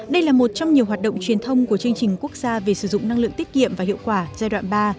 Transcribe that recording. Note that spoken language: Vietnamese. đây là một trong nhiều hoạt động truyền thông của chương trình quốc gia về sử dụng năng lượng tiết kiệm và hiệu quả giai đoạn ba